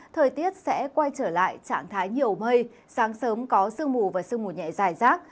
thời tiết sẽ quay trở lại trạng thái nhiều mây sáng sớm có sương mù và sương mù nhẹ dài rác